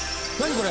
これ。